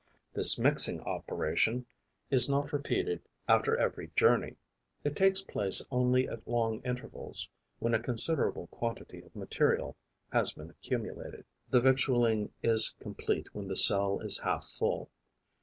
This mixing operation is not repeated after every journey: it takes place only at long intervals, when a considerable quantity of material has been accumulated. The victualling is complete when the cell is half full.